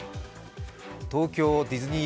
東京ディズニー